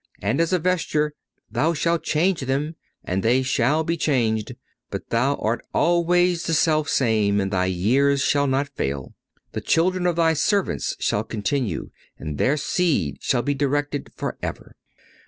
And as a vesture Thou shalt change them, and they shall be changed. But thou art always the self same, and thy years shalt not fail. The children of thy servants shall continue, and their seed shall be directed forever."